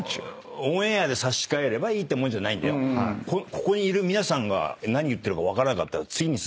ここにいる皆さんが何言ってるか分からなかったら。